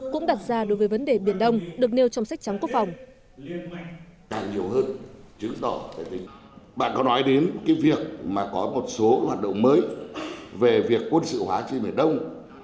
cũng đặt ra đối với vấn đề biển đông được nêu trong sách trắng quốc phòng